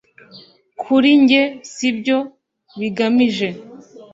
kuri njye nibyo bigamije.